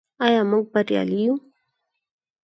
آیا موږ بریالي یو؟